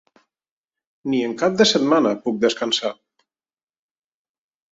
Ni en cap de setmana puc descansar.